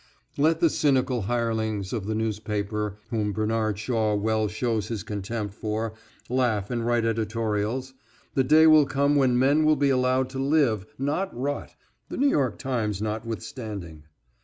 Let the cynical hirelings of the newspaper whom Bernard Shaw well shows his contempt for, laugh and write editorials. The day will come when men will be allowed to live, not rot, the New York Times notwithstanding.